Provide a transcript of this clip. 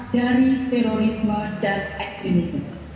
dari terorisme dan ekstremisme